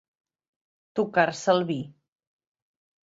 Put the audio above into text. Tocar-se el vi.